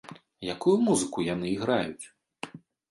Якую музыку яны іграюць?